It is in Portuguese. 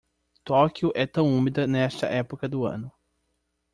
Tóquio é tão úmida nesta época do ano.